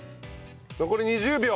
残り２０秒！